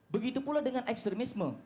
begitu pula dengan ekstremisme